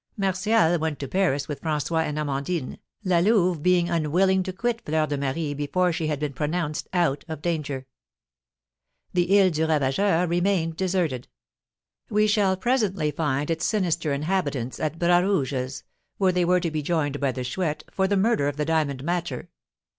Martial went to Paris with François and Amandine, La Louve being unwilling to quit Fleur de Marie before she had been pronounced out of danger. The Isle du Ravageur remained deserted. We shall presently find its sinister inhabitants at Bras Rouge's, where they were to be joined by the Chouette for the murder of the diamond matcher.